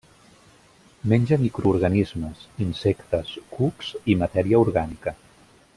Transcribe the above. Menja microorganismes, insectes, cucs i matèria orgànica.